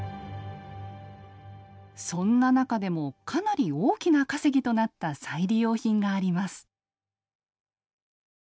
そんな中でもかなり大きな稼ぎとなった再利用品があります。